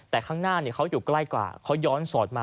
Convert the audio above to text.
แต่ข้างหน้าเขาอยู่ใกล้กว่าเขาย้อนสอนมา